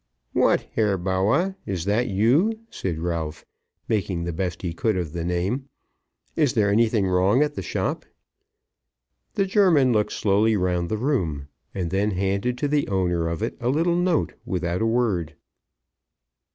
"What, Herr Bawwah; is that you?" said Ralph, making the best he could of the name. "Is there anything wrong at the shop?" The German looked slowly round the room, and then handed to the owner of it a little note without a word.